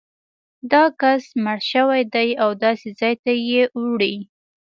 دا کس مړ شوی دی او داسې ځای ته یې وړي.